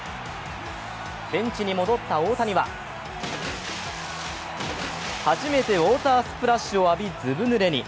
ベンチに戻った大谷は初めてウォータースプラッシュを浴び、ずぶぬれに。